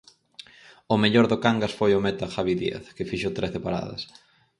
O mellor do Cangas foi o meta Javi Díaz, que fixo trece paradas.